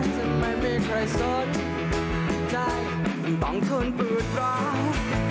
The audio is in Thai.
ถ้าไม่มีใครสดใจต้องทนปืดร้อน